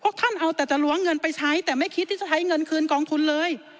ท่านเอาแต่จะล้วงเงินไปใช้แต่ไม่คิดที่จะใช้เงินคืนกองทุนเลย